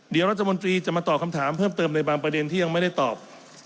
เดี๋ยวรัฐมนตรีจะมาตอบคำถามเพิ่มเติมในบางประเด็นที่ยังไม่ได้ตอบ